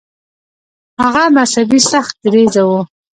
هغه مذهبي سخت دریځه و.